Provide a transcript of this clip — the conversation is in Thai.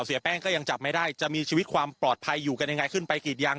เสียแป้งก็ยังจับไม่ได้จะมีชีวิตความปลอดภัยอยู่กันยังไงขึ้นไปกรีดยาง